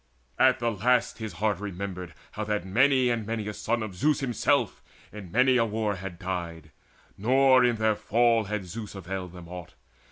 At the last his heart Remembered how that many and many a son Of Zeus himself in many a war had died, Nor in their fall had Zeus availed them aught.